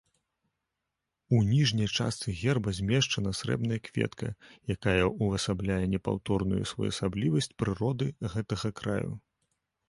У ніжняй частцы герба змешчана срэбная кветка, якая ўвасабляе непаўторную своеасаблівасць прыроды гэтага краю.